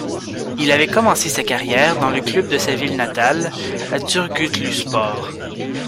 Il avait commencé sa carrière dans le club de sa ville natale, a Turgutluspor.